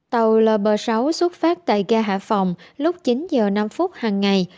tàu lb sáu xuất phát tại ca hải phòng lúc chín giờ năm phút hàng ngày